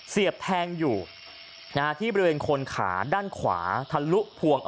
เสียบแทงอยู่ที่บริเวณคนขาด้านขวาทะลุพวง